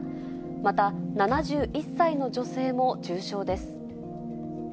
また、７１歳の女性も重傷です。